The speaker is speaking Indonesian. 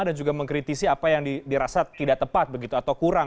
dan juga mengkritisi apa yang dirasa tidak tepat begitu atau kurang